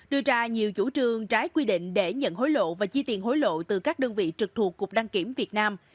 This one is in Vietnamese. đưa ra nhiều chủ trương trái quy định để nhận hối lộ và chi tiền hối lộ từ các đơn vị trực thuộc cục đăng kiểm việt nam